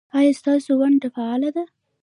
ایا ستاسو ونډه فعاله ده؟